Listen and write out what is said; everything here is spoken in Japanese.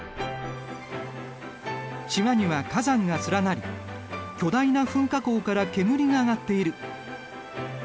島には火山が連なり巨大な噴火口から煙が上がっている。